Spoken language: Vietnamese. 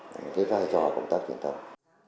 cái vai trò của công tác truyền thông